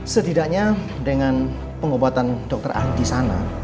setidaknya dengan pengobatan dokter di sana